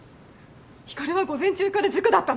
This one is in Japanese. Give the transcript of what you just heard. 光は午前中から塾だったの。